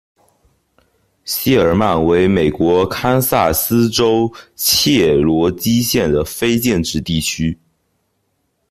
谢尔曼为美国堪萨斯州切罗基县的非建制地区。